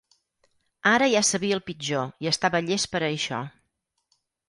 Ara ja sabia el pitjor i estava llest per a això.